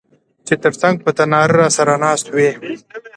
چي تر څنګ په تناره راسره ناست وې